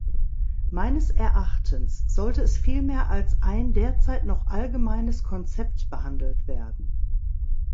Meines Erachtens sollte es vielmehr als ein derzeit noch allgemeines Konzept behandelt werden.